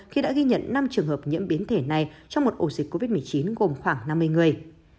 khi đã ghi nhận năm trường hợp nhiễm biến thể này trong một ổ dịch covid một mươi chín gồm khoảng năm mươi người